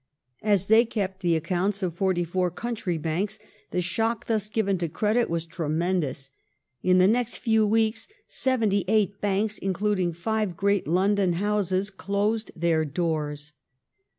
As they kept the accounts of forty four country banks the shock thus given to credit was tremendous. In the next few weeks seventy eight banks, including five great Tendon houses, closed their doors.